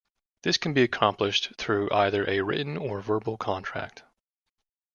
This can be accomplished through either a written or verbal contract.